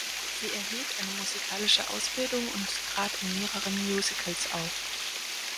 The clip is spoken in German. Sie erhielt eine musikalische Ausbildung und trat in mehreren Musicals auf.